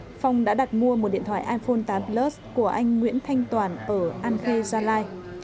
phong đã mua một điện thoại iphone tám plus của anh nguyễn thanh toàn ở an khê gia lai